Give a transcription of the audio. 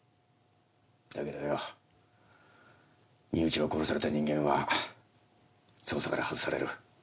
だけどよ身内が殺された人間は捜査から外される。